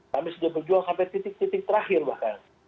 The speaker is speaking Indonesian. kami sudah berjuang sampai titik titik terakhir bahkan